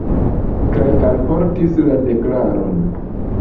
Kaj alportis la deklaron.